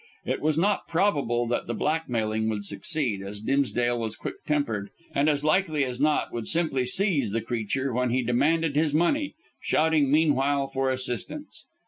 It was not probable that the blackmailing would succeed, as Dimsdale was quick tempered, and as likely as not would simply seize the creature when he demanded his money, shouting meanwhile for assistance.